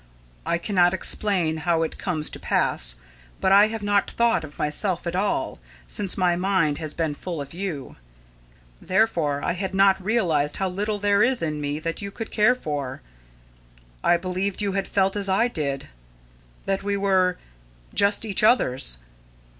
"I cannot explain how it comes to pass, but I have not thought of myself at all, since my mind has been full of you. Therefore I had not realised how little there is in me that you could care for. I believed you had felt as I did, that we were just each other's."